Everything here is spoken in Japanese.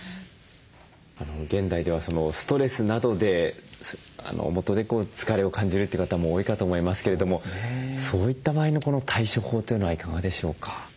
現代ではストレスなどでもとで疲れを感じるって方も多いかと思いますけれどもそういった場合の対処法というのはいかがでしょうか？